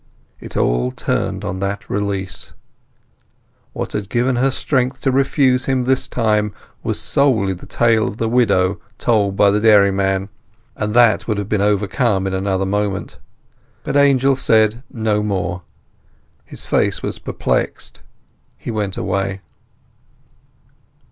It all turned on that release. What had given her strength to refuse him this time was solely the tale of the widow told by the dairyman; and that would have been overcome in another moment. But Angel said no more; his face was perplexed; he went away.